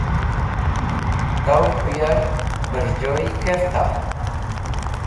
Taw k̃hũ yark bẽrjoy kerta.